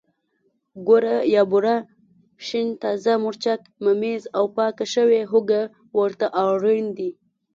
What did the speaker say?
ګوړه یا بوره، شین تازه مرچک، ممیز او پاکه شوې هوګه ورته اړین دي.